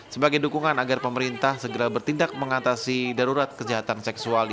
sebagai dukungan agar pemerintah mencari kekerasan seksual